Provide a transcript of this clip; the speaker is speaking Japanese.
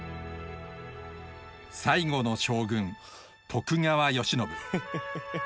最後の将軍徳川慶喜。